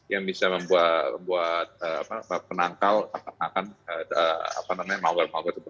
yang bisa membuat penangkal penangkan apa namanya maubar maubar seperti ini